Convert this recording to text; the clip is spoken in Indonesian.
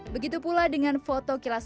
begitu pula dengan foto kilas